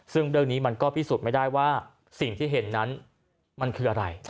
ซึ่งเรื่องนี้มันก็พิสูจน์ไม่ได้ว่าสิ่งที่เห็นนั้นมันคืออะไร